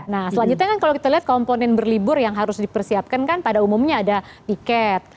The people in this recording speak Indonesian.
nah selanjutnya kan kalau kita lihat komponen berlibur yang harus dipersiapkan kan pada umumnya ada tiket